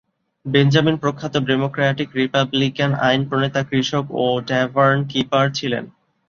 Benjamin প্রখ্যাত Democratic Republican আইন প্রণেতা, কৃষক ও ট্যাভার্ন-কিপার ছিলেন।